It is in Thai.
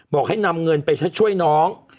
ให้นำเงินไปช่วยน้อง